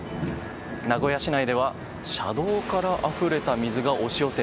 名古屋市内では車道からあふれた水が押し寄せ